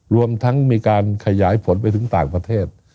รวมทั้งมีการขยายผลไปถึงต่างประเทศ